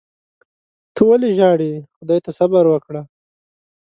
ته ولي ژاړې . خدای ته صبر وکړه